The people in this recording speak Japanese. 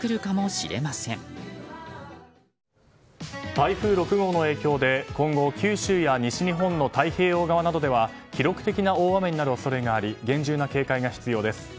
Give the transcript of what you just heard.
台風６号の影響で今後、九州や西日本の太平洋側などでは記録的な大雨になる恐れがあり厳重な警戒が必要です。